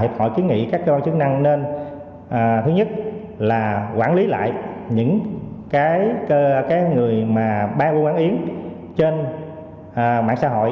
hiệp hội kiến nghị các cơ quan chức năng nên thứ nhất là quản lý lại những cái người mà bán mua bán yến trên mạng xã hội